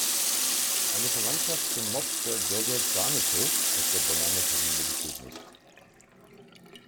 Eine Verwandtschaft zum Mobster Joseph D’Amico aus der Bonanno-Familie besteht nicht.